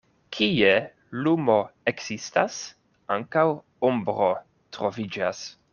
Kie lumo ekzistas, ankaŭ ombro troviĝas.